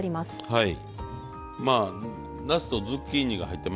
はい。